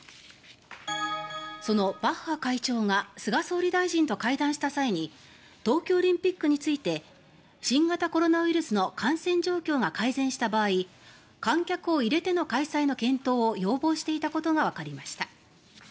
そのバッハ会長が菅総理大臣と会談した際に東京オリンピックについて新型コロナウイルスの感染状況が改善した場合観客を入れての開催の検討を要望していたことがわかりました。